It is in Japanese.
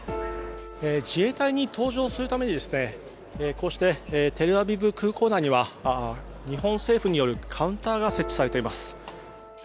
自衛隊機に搭乗するためにこうしてテルアビブ空港内には日本政府によるカウンターが設置されています。